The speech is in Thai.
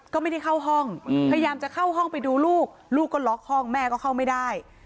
ก็ไม่ได้เข้าห้องพยายามจะเข้าห้องไปดูลูกลูกก็ล็อกห้องแม่ก็เข้าไม่ได้